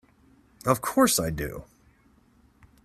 Of course I do!